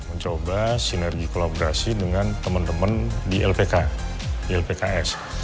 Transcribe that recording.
mencoba sinergi kolaborasi dengan temen temen di lpk di lpks